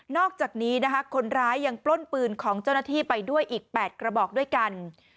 อกจากนี้นะคะคนร้ายยังปล้นปืนของเจ้าหน้าที่ไปด้วยอีก๘กระบอกด้วยกัน